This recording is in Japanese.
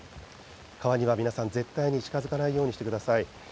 川には皆さん、絶対に近づかないようにしてください。